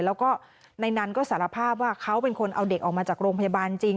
แล้วก็ในนั้นก็สารภาพว่าเขาเป็นคนเอาเด็กออกมาจากโรงพยาบาลจริง